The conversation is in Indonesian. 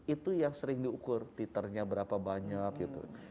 itu yang sering diukur titernya berapa banyak gitu